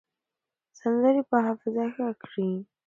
سندرې به حافظه ښه کړي.